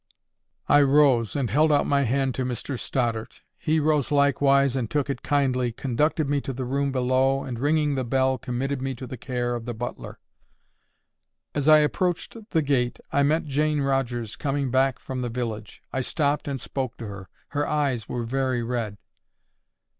I rose, and held out my hand to Mr Stoddart. He rose likewise, and took it kindly, conducted me to the room below, and ringing the bell, committed me to the care of the butler. As I approached the gate, I met Jane Rogers coming back from the village. I stopped and spoke to her. Her eyes were very red.